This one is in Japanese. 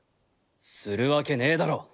するわけねえだろ！